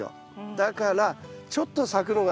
だからちょっと咲くのがね面倒です。